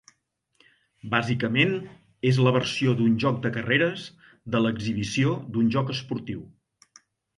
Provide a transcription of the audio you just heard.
Bàsicament, és la versió d'un joc de carreres de l'exhibició d'un joc esportiu.